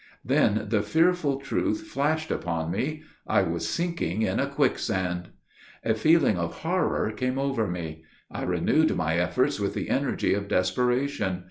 Then the fearful truth flashed upon me I was sinking in a quicksand! A feeling of horror came over me. I renewed my efforts with the energy of desperation.